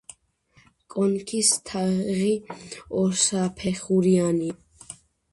კონქის თაღი ორსაფეხურიანია.